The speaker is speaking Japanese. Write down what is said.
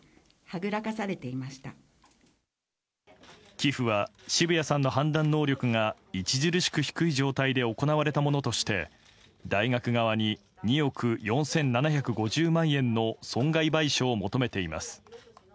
寄付は澁谷さんの判断能力が著しく低い状態で行われたものとして大学側に２億４７５０万円の損害賠償を求めています。